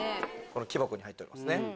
この木箱に入っておりますね。